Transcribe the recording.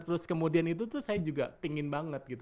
terus kemudian itu tuh saya juga pingin banget gitu